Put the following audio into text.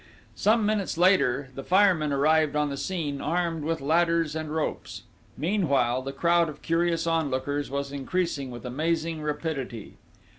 Some minutes later, the firemen arrived on the scene armed with ladders and ropes. Meanwhile, the crowd of curious onlookers was increasing with amazing rapidity.